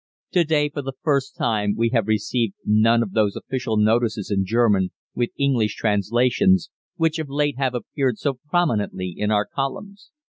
To day for the first time we have received none of those official notices in German, with English translations, which of late have appeared so prominently in our columns.